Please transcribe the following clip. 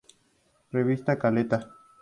Revista "Caleta".